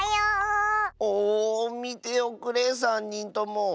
おおみておくれさんにんとも。